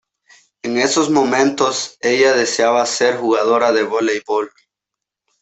En esos momentos, ella deseaba ser jugadora de voleibol.